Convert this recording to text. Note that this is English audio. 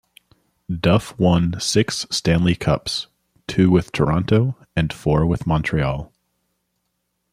Duff won six Stanley Cups, two with Toronto and four with Montreal.